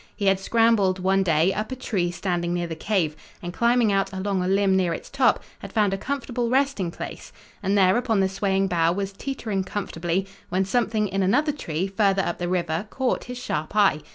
He had scrambled, one day, up a tree standing near the cave, and, climbing out along a limb near its top, had found a comfortable resting place, and there upon the swaying bough was "teetering" comfortably, when something in another tree, further up the river, caught his sharp eye.